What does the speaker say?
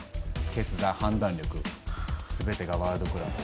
決断、判断力すべてがワールドクラス。